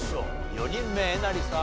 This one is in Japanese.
４人目えなりさん